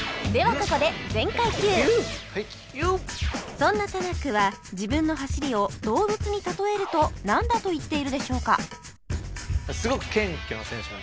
ここでそんなタナックは自分の走りを動物に例えるとなんだと言っているでしょうか？